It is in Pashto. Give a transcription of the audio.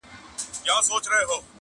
داسي څانګه به له کومه څوک پیدا کړي.!